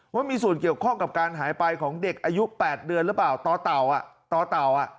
ว่ามีส่วนเกี่ยวข้องกับการหายไปของเด็กอายุ๘เดือนตต